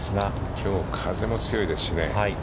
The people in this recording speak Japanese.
きょう、風も強いですしね。